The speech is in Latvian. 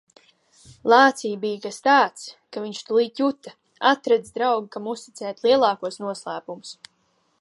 Lācī bija kas tāds, ka viņš tūlīt juta - atradis draugu, kam uzticēt lielākos noslēpumus.